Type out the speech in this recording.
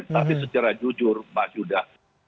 tapi secara jujur pak yudha